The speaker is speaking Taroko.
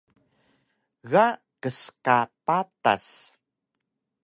Ga kska patas